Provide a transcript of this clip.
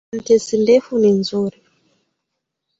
Sentensi ndefu ni nzuri